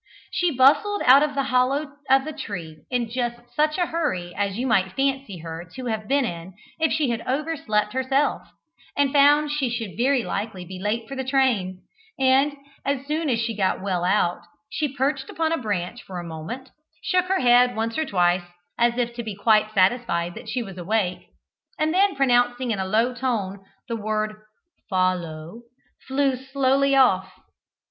She bustled out of the hollow of the tree in just such a hurry as you might fancy her to have been in if she had overslept herself and found she should very likely be late for the train, and, as soon as she got well out, she perched upon a branch for a moment, shook her head once or twice as if to be quite satisfied that she was awake, and then pronouncing in a low tone the word "Follow," flew slowly off.